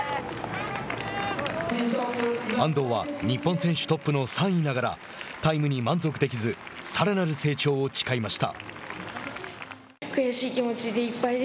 安藤は日本選手トップの３位ながらタイムに満足できずさらなる成長を誓いました。